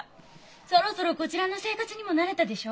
そろそろこちらの生活にも慣れたでしょ。